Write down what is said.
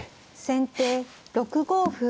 先手６五歩。